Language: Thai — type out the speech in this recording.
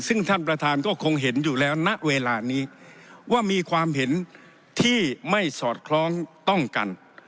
ซึ่งท่านประธานก็คงเห็นอยู่แล้วณเวลานี้ว่ามีความเห็นที่ไม่สอดคล้องต้องกัน